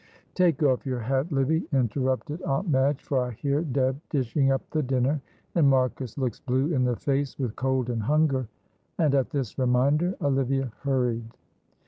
"Take off your hat, Livy," interrupted Aunt Madge, "for I hear Deb dishing up the dinner, and Marcus looks blue in the face with cold and hunger." And at this reminder Olivia hurried.